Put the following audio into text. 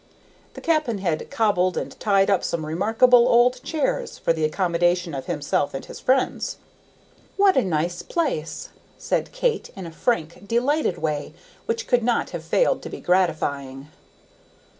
The cap'n had cobbled and tied up some remarkable old chairs for the accommodation of himself and his friends. "What a nice place!" said Kate in a frank, delighted way which could not have failed to be gratifying.